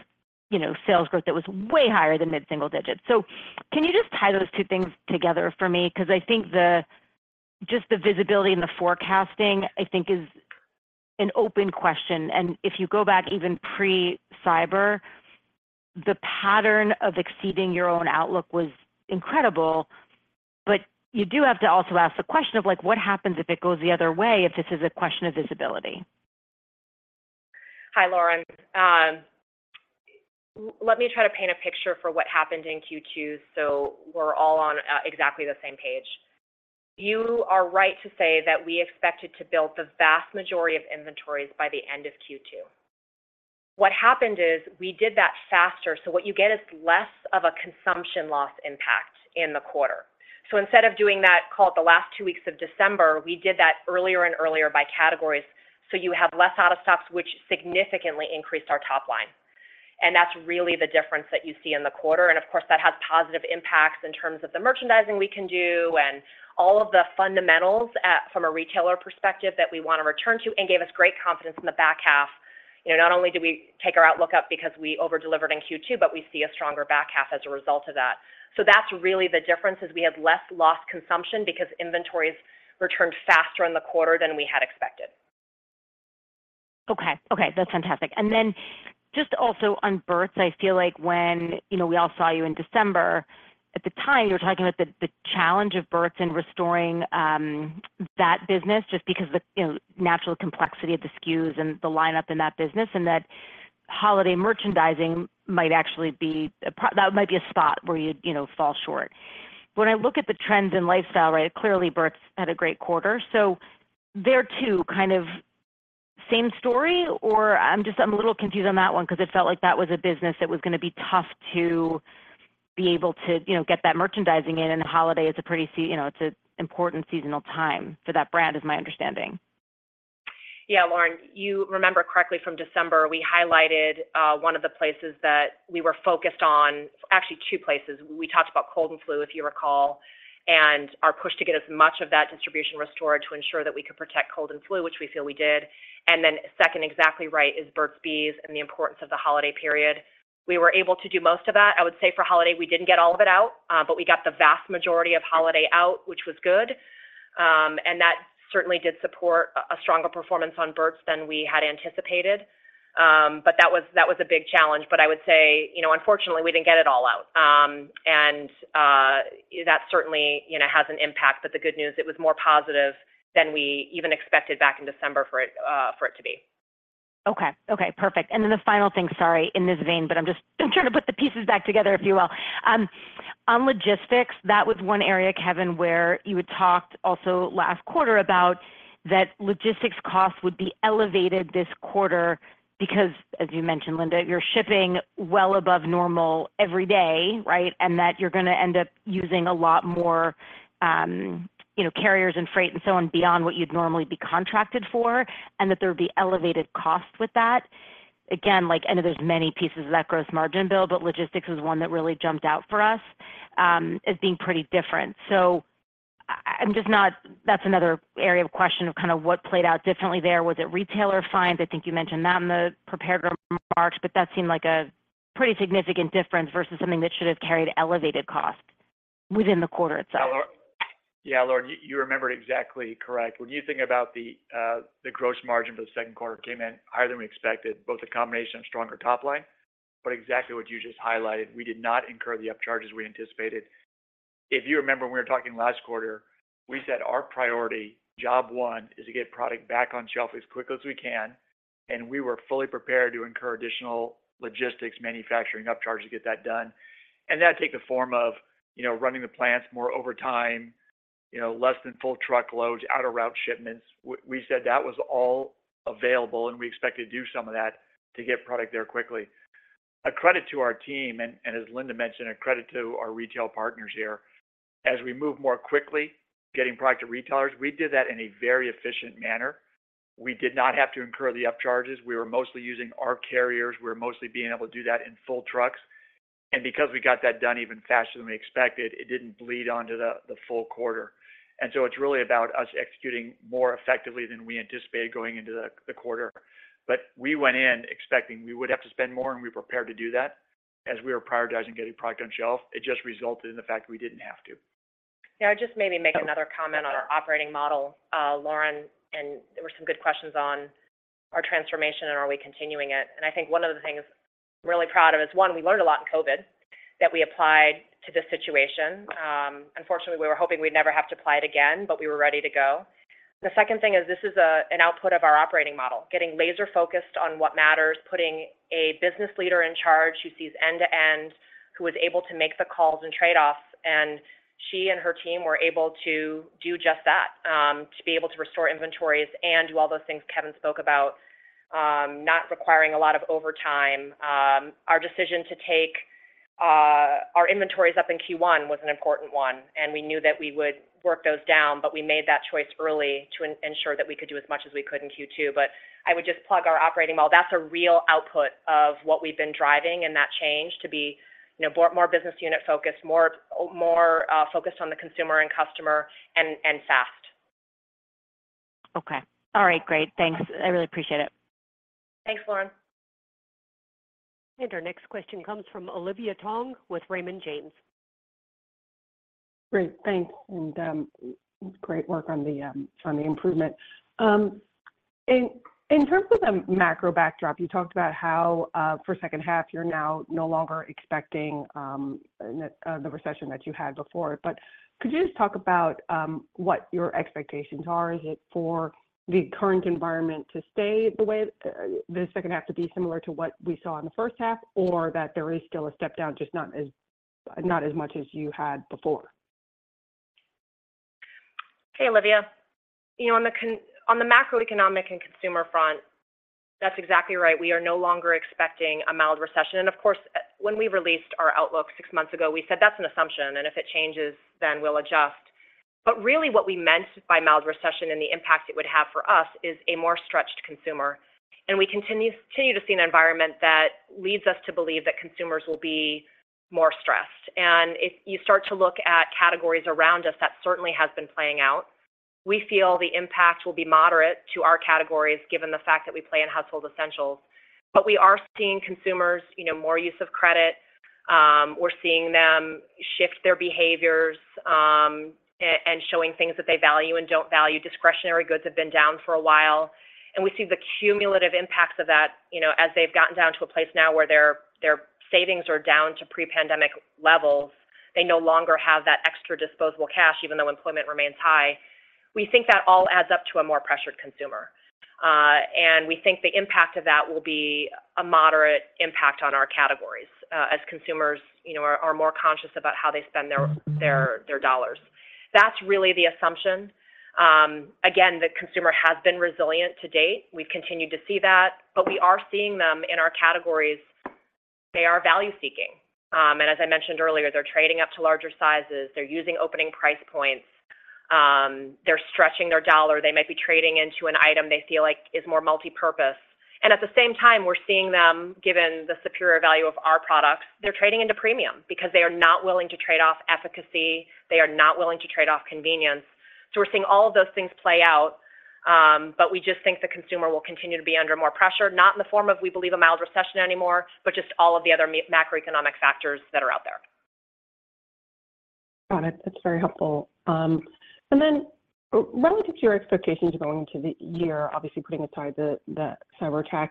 S15: you know, sales growth that was way higher than mid-single digit. So can you just tie those two things together for me? Because I think the, just the visibility and the forecasting, I think, is an open question. And if you go back even pre-cyber, the pattern of exceeding your own outlook was incredible. But you do have to also ask the question of, like, what happens if it goes the other way, if this is a question of visibility?
S3: Hi, Lauren. Let me try to paint a picture for what happened in Q2, so we're all on exactly the same page. You are right to say that we expected to build the vast majority of inventories by the end of Q2. What happened is, we did that faster, so what you get is less of a consumption loss impact in the quarter. So instead of doing that, call it the last two weeks of December, we did that earlier and earlier by categories, so you have less out-of-stocks, which significantly increased our top line... and that's really the difference that you see in the quarter. And of course, that has positive impacts in terms of the merchandising we can do and all of the fundamentals at, from a retailer perspective that we wanna return to, and gave us great confidence in the back half. You know, not only did we take our outlook up because we over-delivered in Q2, but we see a stronger back half as a result of that. So that's really the difference, is we had less lost consumption because inventories returned faster in the quarter than we had expected.
S15: Okay. Okay, that's fantastic. And then just also on Burt's, I feel like when, you know, we all saw you in December, at the time, you were talking about the challenge of Burt's and restoring that business, just because the, you know, natural complexity of the SKUs and the lineup in that business, and that holiday merchandising might actually be a spot where you'd, you know, fall short. When I look at the trends in lifestyle, right, clearly, Burt's had a great quarter. So there, too, kind of same story? Or I'm just... I'm a little confused on that one because it felt like that was a business that was gonna be tough to be able to, you know, get that merchandising in, and the holiday is a pretty, you know, it's an important seasonal time for that brand, is my understanding.
S3: Yeah, Lauren, you remember correctly from December. We highlighted one of the places that we were focused on. Actually, two places. We talked about cold and flu, if you recall, and our push to get as much of that distribution restored to ensure that we could protect cold and flu, which we feel we did. And then second, exactly right, is Burt's Bees and the importance of the holiday period. We were able to do most of that. I would say for holiday, we didn't get all of it out, but we got the vast majority of holiday out, which was good. And that certainly did support a stronger performance on Burt's than we had anticipated. But that was a big challenge. But I would say, you know, unfortunately, we didn't get it all out. That certainly, you know, has an impact, but the good news, it was more positive than we even expected back in December for it to be.
S15: Okay. Okay, perfect. And then the final thing, sorry, in this vein, but I'm just trying to put the pieces back together, if you will. On logistics, that was one area, Kevin, where you had talked also last quarter about that logistics costs would be elevated this quarter because, as you mentioned, Linda, you're shipping well above normal every day, right? And that you're gonna end up using a lot more, you know, carriers and freight and so on, beyond what you'd normally be contracted for, and that there would be elevated costs with that. Again, like, I know there's many pieces of that gross margin build, but logistics was one that really jumped out for us, as being pretty different. So I'm just not-- That's another area of question of kind of what played out differently there. Was it retailer fines? I think you mentioned that in the prepared remarks, but that seemed like a pretty significant difference versus something that should have carried elevated costs within the quarter itself.
S5: Yeah, Lauren, you remembered exactly correct. When you think about the gross margin for the second quarter came in higher than we expected, both a combination of stronger top line, but exactly what you just highlighted, we did not incur the upcharges we anticipated. If you remember, when we were talking last quarter, we said our priority, job one, is to get product back on shelf as quickly as we can, and we were fully prepared to incur additional logistics, manufacturing upcharge to get that done. And that take the form of, you know, running the plants more overtime, you know, less than full truckloads, out-of-route shipments. We said that was all available, and we expected to do some of that to get product there quickly. A credit to our team, and as Linda mentioned, a credit to our retail partners here, as we move more quickly, getting product to retailers, we did that in a very efficient manner. We did not have to incur the upcharges. We were mostly using our carriers. We were mostly being able to do that in full trucks. And because we got that done even faster than we expected, it didn't bleed onto the full quarter. And so it's really about us executing more effectively than we anticipated going into the quarter. But we went in expecting we would have to spend more, and we prepared to do that as we were prioritizing getting product on shelf. It just resulted in the fact that we didn't have to.
S3: Yeah, just maybe make another comment on our operating model, Lauren, and there were some good questions on our transformation and are we continuing it. And I think one of the things I'm really proud of is, one, we learned a lot in COVID that we applied to this situation. Unfortunately, we were hoping we'd never have to apply it again, but we were ready to go. The second thing is this is, an output of our operating model, getting laser-focused on what matters, putting a business leader in charge who sees end-to-end, who is able to make the calls and trade-offs, and she and her team were able to do just that, to be able to restore inventories and do all those things Kevin spoke about, not requiring a lot of overtime. Our decision to take our inventories up in Q1 was an important one, and we knew that we would work those down, but we made that choice early to ensure that we could do as much as we could in Q2. But I would just plug our operating model. That's a real output of what we've been driving and that change to be, you know, more, more business unit focused, more, more, focused on the consumer and customer, and, and fast.
S15: Okay. All right, great. Thanks. I really appreciate it.
S3: Thanks, Lauren.
S1: Our next question comes from Olivia Tong with Raymond James.
S16: Great, thanks, and, great work on the, on the improvement. In terms of the macro backdrop, you talked about how, for second half, you're now no longer expecting, the recession that you had before. But could you just talk about, what your expectations are? Is it for the current environment to stay the way, the second half to be similar to what we saw in the first half, or that there is still a step down, just not as, not as much as you had before?
S3: Hey, Olivia. You know, on the macroeconomic and consumer front, that's exactly right. We are no longer expecting a mild recession. And of course, when we released our outlook six months ago, we said that's an assumption, and if it changes, then we'll adjust. But really what we meant by mild recession and the impact it would have for us is a more stretched consumer, and we continue to see an environment that leads us to believe that consumers will be more stressed. And if you start to look at categories around us, that certainly has been playing out. We feel the impact will be moderate to our categories, given the fact that we play in household essentials. But we are seeing consumers, you know, more use of credit, we're seeing them shift their behaviors, and showing things that they value and don't value. Discretionary goods have been down for a while, and we see the cumulative impacts of that, you know, as they've gotten down to a place now where their savings are down to pre-pandemic levels, they no longer have that extra disposable cash, even though employment remains high. We think that all adds up to a more pressured consumer, and we think the impact of that will be a moderate impact on our categories, as consumers, you know, are more conscious about how they spend their dollars. That's really the assumption. Again, the consumer has been resilient to date. We've continued to see that, but we are seeing them in our categories; they are value-seeking. And as I mentioned earlier, they're trading up to larger sizes. They're using opening price points. They're stretching their dollar. They might be trading into an item they feel like is more multipurpose. And at the same time, we're seeing them, given the superior value of our products, they're trading into premium because they are not willing to trade off efficacy. They are not willing to trade off convenience. So we're seeing all of those things play out, but we just think the consumer will continue to be under more pressure, not in the form of, we believe, a mild recession anymore, but just all of the other macroeconomic factors that are out there.
S16: Got it. That's very helpful. And then relative to your expectations going into the year, obviously putting aside the, the cyberattack,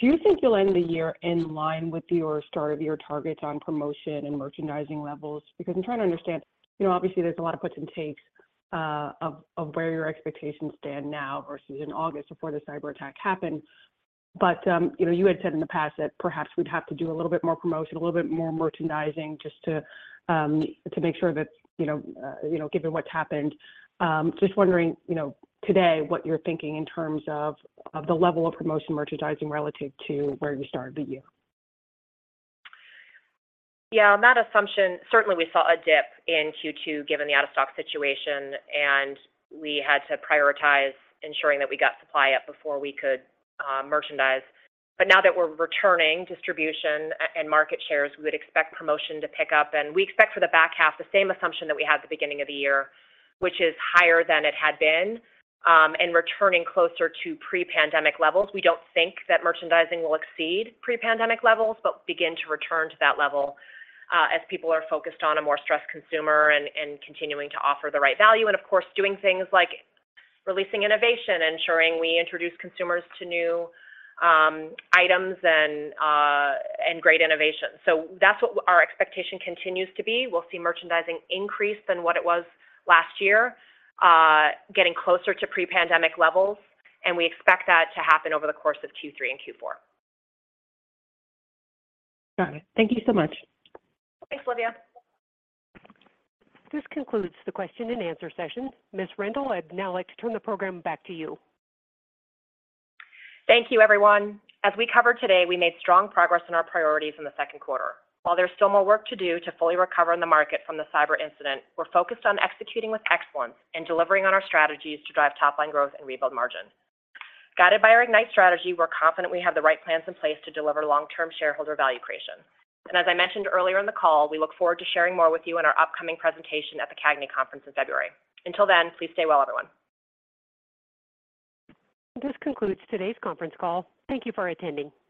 S16: do you think you'll end the year in line with your start-of-year targets on promotion and merchandising levels? Because I'm trying to understand... You know, obviously, there's a lot of puts and takes, of, of where your expectations stand now versus in August before the cyberattack happened. But, you know, you had said in the past that perhaps we'd have to do a little bit more promotion, a little bit more merchandising, just to, to make sure that, you know, you know, given what's happened. Just wondering, you know, today, what you're thinking in terms of, of the level of promotion merchandising relative to where you started the year.
S3: Yeah, on that assumption, certainly we saw a dip in Q2, given the out-of-stock situation, and we had to prioritize ensuring that we got supply up before we could merchandise. But now that we're returning distribution and market shares, we would expect promotion to pick up, and we expect for the back half the same assumption that we had at the beginning of the year, which is higher than it had been and returning closer to pre-pandemic levels. We don't think that merchandising will exceed pre-pandemic levels, but begin to return to that level as people are focused on a more stressed consumer and continuing to offer the right value, and of course, doing things like releasing innovation, ensuring we introduce consumers to new items and great innovation. So that's what our expectation continues to be. We'll see merchandising increase than what it was last year, getting closer to pre-pandemic levels, and we expect that to happen over the course of Q3 and Q4.
S16: Got it. Thank you so much.
S3: Thanks, Olivia.
S1: This concludes the question and answer session. Ms. Rendle, I'd now like to turn the program back to you.
S3: Thank you, everyone. As we covered today, we made strong progress on our priorities in the second quarter. While there's still more work to do to fully recover in the market from the cyber incident, we're focused on executing with excellence and delivering on our strategies to drive top line growth and rebuild margin. Guided by our IGNITE strategy, we're confident we have the right plans in place to deliver long-term shareholder value creation. And as I mentioned earlier in the call, we look forward to sharing more with you in our upcoming presentation at the CAGNY Conference in February. Until then, please stay well, everyone.
S1: This concludes today's conference call. Thank you for attending.